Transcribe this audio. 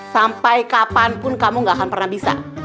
sampai kapanpun kamu gak akan pernah bisa